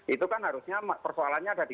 itu kan harusnya persoalannya ada di